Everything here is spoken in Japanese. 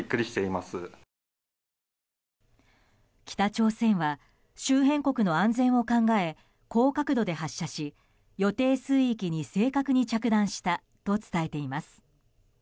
北朝鮮は周辺国の安全を考え高角度で発射し、予定水域に正確に着弾したと伝えています。